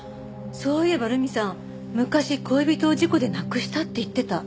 そういえば留美さん昔恋人を事故で亡くしたって言ってた。